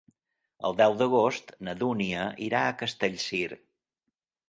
El deu d'agost na Dúnia irà a Castellcir.